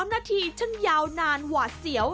๓นาทีฉันยาวนานหวาดเสียว